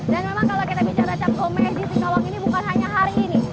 dan memang kalau kita bicara capcommeh di singkawang ini bukan hanya hari ini